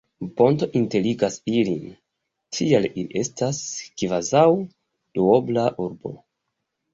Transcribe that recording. Ponto interligas ilin, tial ili estas kvazaŭ Duobla urbo.